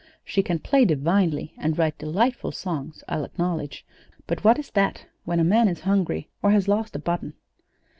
She can play divinely, and write delightful songs, I'll acknowledge; but what is that when a man is hungry, or has lost a button?